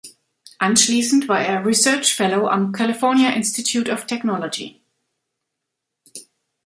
Anschließend war er Research Fellow am California Institute of Technology.